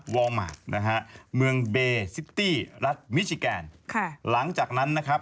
อลมาร์คนะฮะเมืองเบซิตี้รัฐมิชิแกนค่ะหลังจากนั้นนะครับ